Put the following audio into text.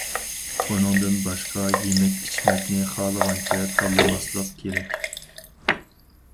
ئۇنىڭدىن باشقا، يېمەك- ئىچمەكنى خالىغانچە تاللىماسلىق كېرەك.